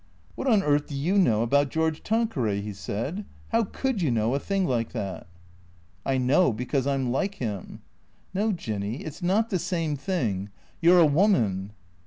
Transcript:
" What on earth do you know about George Tanqueray ?'' he said. " How could you know a thing like that ?"" I know because I 'm like him." " No, Jinny, it 's not the same thing. You 're a woman."